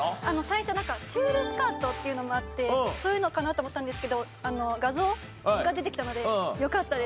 最初チュールスカートっていうのもあってそういうのかなと思ったんですけど画像が出てきたのでよかったです。